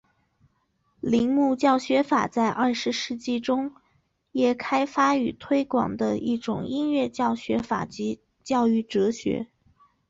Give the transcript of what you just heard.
铃木教学法在二十世纪中叶开发与推广的一种音乐教学法及教育哲学。